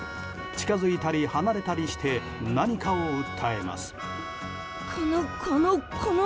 近づいたり離れたりして何かを訴えます。